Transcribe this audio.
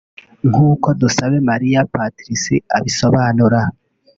nkuko Dusabemariya Patricie abisobanura